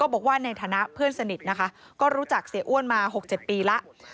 บอกว่าในฐานะเพื่อนสนิทนะคะก็รู้จักเสียอ้วนมา๖๗ปีแล้ว